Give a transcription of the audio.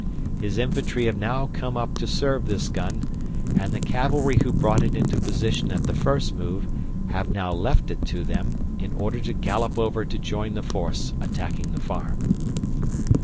His infantry have now come up to serve this gun, and the cavalry who brought it into position at the first move have now left it to them in order to gallop over to join the force attacking the farm.